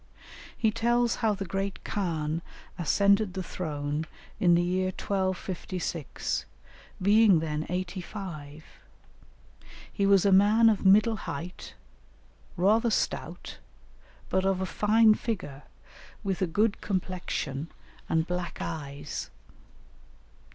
He tells how the great khan ascended the throne in the year 1256, being then eighty five; he was a man of middle height, rather stout, but of a fine figure, with a good complexion and black eyes.